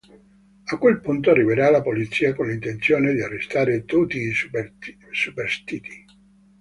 A quel punto arriverà la polizia con l'intenzione di arrestare tutti i superstiti.